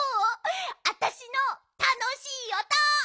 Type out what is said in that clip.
あたしのたのしいおと！